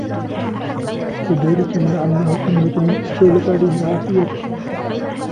وَكَذَلِكَ مَنْ عَمَّهُ الْأَمْنُ كَمَنْ اسْتَوْلَتْ عَلَيْهِ الْعَافِيَةُ